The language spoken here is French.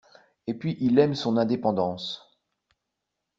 Et puis il aime son indépendance.